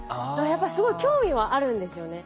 やっぱりすごい興味はあるんですよね。